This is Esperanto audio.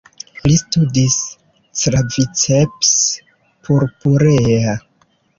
Li studis "Claviceps purpurea".